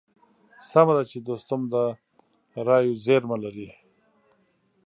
سمه ده چې دوستم د رايو زېرمه لري.